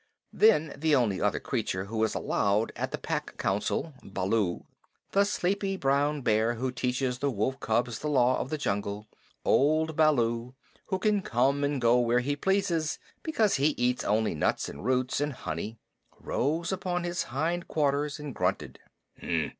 Then the only other creature who is allowed at the Pack Council Baloo, the sleepy brown bear who teaches the wolf cubs the Law of the Jungle: old Baloo, who can come and go where he pleases because he eats only nuts and roots and honey rose upon his hind quarters and grunted.